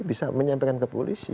bisa menyampaikan ke polisi